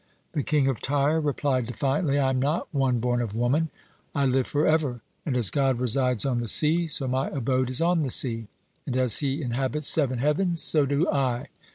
The king of Tyre replied defiantly: "I am not one born of woman; I live forever, and as God resides on the sea, so my abode is on the sea, and as He inhabits seven heavens, so do I.